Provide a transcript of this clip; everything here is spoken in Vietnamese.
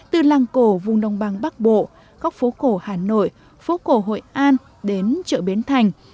từ làng cổ vùng đông băng bắc bộ góc phố cổ hà nội phố cổ hội an đến chợ bến thành